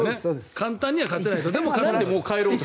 簡単には勝てないと。